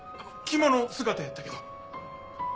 着物姿やったけど。